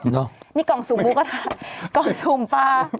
นี่กล่องสุ่มหมูกระทะกล่องสุ่มปลา